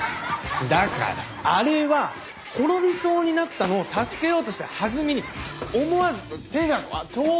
だからあれは転びそうになったのを助けようとした弾みに思わず手がちょうど。